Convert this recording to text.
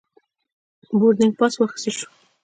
بوردینګ پاس واخیستل شو.